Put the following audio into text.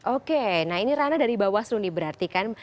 oke nah ini rana dari bawah sudah diberarti kan